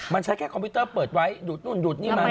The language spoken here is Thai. มันใช้แค่คอมพิวเตอร์เปิดไว้ดูดนู่นดูดนี่มา